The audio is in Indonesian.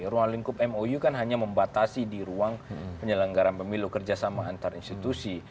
ruang lingkup mou kan hanya membatasi di ruang penyelenggaran pemilu kerjasama antar institusi